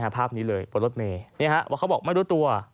ภาพนี้เลยบนรถเมย์ว่าเขาบอกไม่รู้ตัว